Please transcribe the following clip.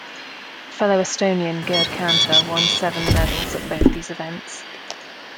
Fellow Estonian Gerd Kanter won silver medals at both these events.